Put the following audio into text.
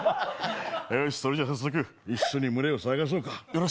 よし、それじゃ早速一緒に群れを探そうか。